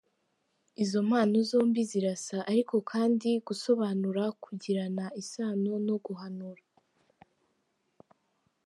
Izo mpano zombi zirasa, ariko kandi gusobanura kugirana isano no guhanura.